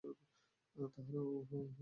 তাহারা উহা বুঝিতে পারে না।